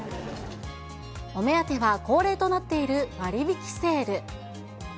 お目当ては、恒例となっている割引セール。